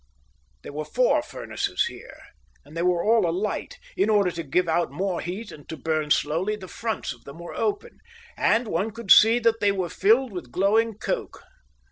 There were four furnaces here, and they were all alight. In order to give out more heat and to burn slowly, the fronts of them were open, and one could see that they were filled with glowing coke.